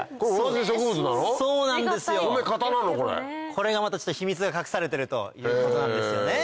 これがまた秘密が隠されてるということなんですよね。